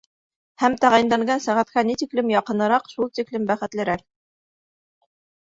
Һәм тәғәйенләнгән сәғәткә ни тиклем яҡыныраҡ, шул тиклем бәхетлерәк.